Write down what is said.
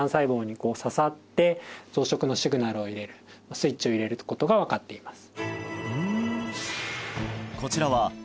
スイッチを入れることが分かっています